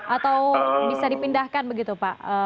atau bisa dipindahkan begitu pak